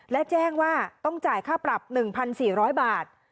และแจ้งว่าต้องจ่ายค่าปรับ๑๔๐๐บาท